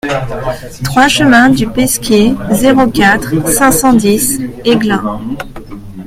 trois chemin du Pesquier, zéro quatre, cinq cent dix Aiglun